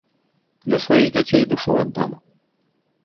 Для сваіх дзяцей душу аддам.